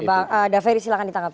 pak daveri silahkan ditangkapi